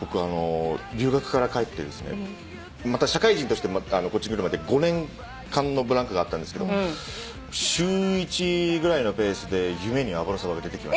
僕あの留学から帰ってですねまた社会人としてこっち来るまで５年間のブランクがあったんですけど週１ぐらいのペースで夢に油そばが出てきました。